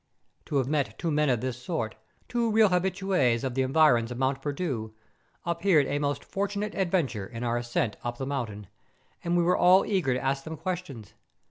To have met two men of this sort, two real habitues of the environs of Mont Perdu, appeared a most fortunate adventure in our ascent up the mountain, and we were all eager to ask them ques¬ tions.